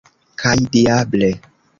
Kaj diable!